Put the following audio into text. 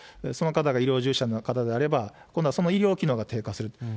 その方が医療従事者の方であれば、今度はその医療機能が低下すると。